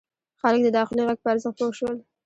خلک د داخلي غږ په ارزښت پوه شول.